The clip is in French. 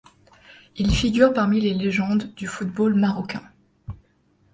Il figure parmi les légendes du football marocain.